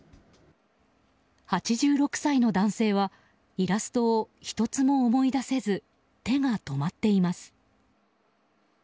８６歳の男性はイラストを１つも思い出せず手が止まっています。